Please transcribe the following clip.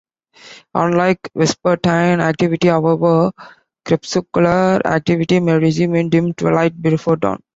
Unlike vespertine activity, however, crepuscular activity may resume in dim twilight before dawn.